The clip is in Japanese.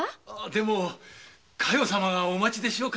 でも加代様がお待ちでしょうから。